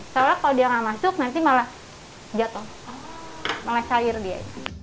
soalnya kalau dia nggak masuk nanti malah jatuh malah cair dia